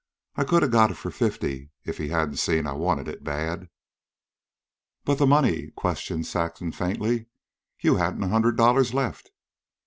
I could a got it for fifty if he hadn't seen I wanted it bad." "But the money?" Saxon questioned faintly. "You hadn't a hundred dollars left."